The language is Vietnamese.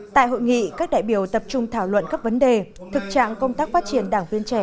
tại hội nghị các đại biểu tập trung thảo luận các vấn đề thực trạng công tác phát triển đảng viên trẻ